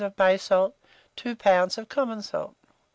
of bay salt, 2 pounds of common salt.